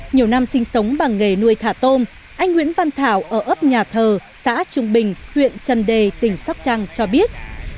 nhiều năm sinh sống bằng nghề nuôi thả tôm anh nguyễn văn thảo ở ấp nhà thờ xã trung bình huyện trần đề tỉnh sóc trăng cho biết